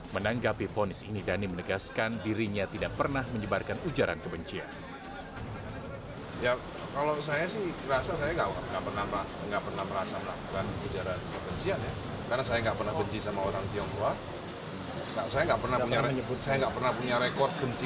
menanggapi fonis ini dhani menegaskan dirinya tidak pernah menyebarkan ujaran kebencian